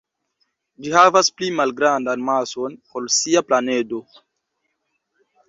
Ĝi havas pli malgrandan mason ol sia planedo.